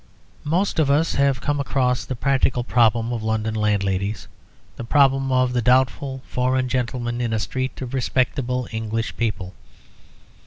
Most of us have come across the practical problem of London landladies, the problem of the doubtful foreign gentleman in a street of respectable English people.